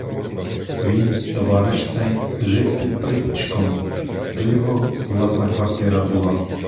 Він, товариш цей, жив під припічком, — то його власна квартира була.